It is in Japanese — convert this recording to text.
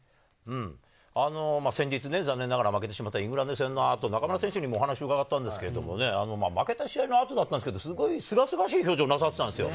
先日、残念ながら負けてしまったイングランド戦の後、中村選手にもお話、伺ったんですけれど、負けた試合の後だったんですけれど、すがすがしい表情をなさっていたんですよ。